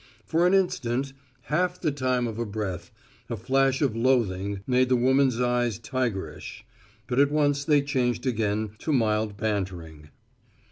For an instant half the time of a breath a flash of loathing made the woman's eyes tigerish; but at once they changed again to mild bantering.